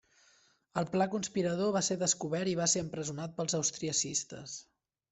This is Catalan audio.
El pla conspirador va ser descobert i va ser empresonat pels austriacistes.